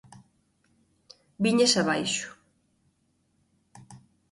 Víñase abaixo.